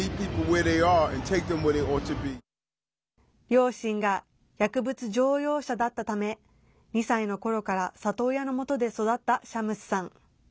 両親が薬物常用者だったため２歳のころから里親のもとで育ったシャムスさん。